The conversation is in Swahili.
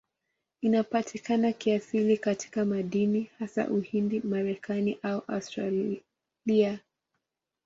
Inapatikana kiasili katika madini, hasa Uhindi, Marekani na Australia.